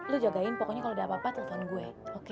lu jagain pokoknya kalau ada apa apa telfon gue oke oke